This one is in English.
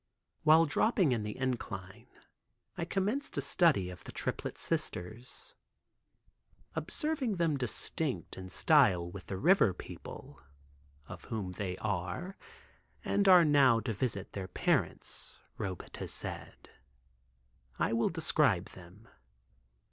While dropping in the incline I commenced a study of the triplet sisters. Observing them distinct in style with the river people (of whom they are, and are now to visit their parents, Robet has said), I will describe them.